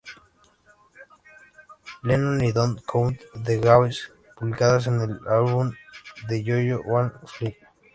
Lennon" y "Don't Count The Waves", publicadas en el álbum de Yōko Ono "Fly".